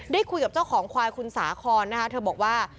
คุยกับเจ้าของควายคุณสาคอนนะคะเธอบอกว่า